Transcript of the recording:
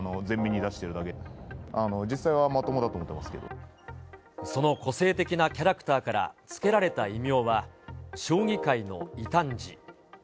元気な感じを前面に出しているだけで、実際はまともだと思ってまその個性的なキャラクターから、付けられた異名は将棋界の異端児。